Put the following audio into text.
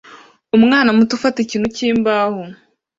Umwana muto ufata ikintu cyimbaho